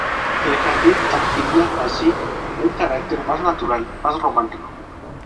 El jardín adquiría así un carácter más natural, más romántico.